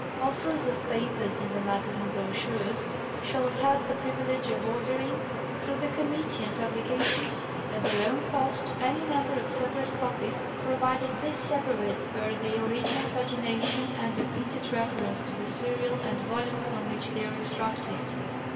Authors of papers in the magazine brochures shall have the privilege of ordering, through the Committee on Publications, at their own cost, any number of separate copies, provided these separates bear the original pagination and a printed reference to the serial and volume from which they are extracted.